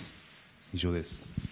以上です。